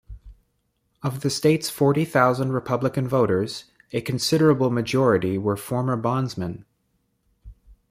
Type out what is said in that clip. Of the state's forty thousand Republicans voters, a considerable majority were former bondsmen.